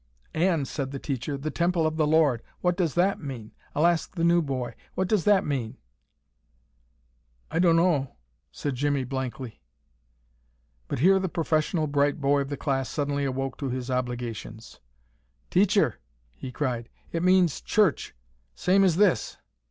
"And," said the teacher, "'The temple of the Lord' what does that mean? I'll ask the new boy. What does that mean?" "I dun'no'," said Jimmie, blankly. But here the professional bright boy of the class suddenly awoke to his obligations. "Teacher," he cried, "it means church, same as this."